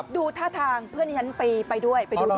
ดูท่าทางเพื่อนที่ฉันไปด้วยไปดูด้วย